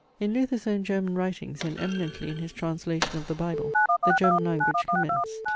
In Luther's own German writings, and eminently in his translation of the Bible, the German language commenced.